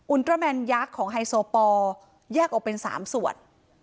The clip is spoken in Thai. ตราแมนยักษ์ของไฮโซปอร์แยกออกเป็น๓ส่วน